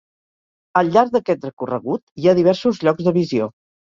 Al llarg d'aquest recorregut, hi ha diversos llocs de visió.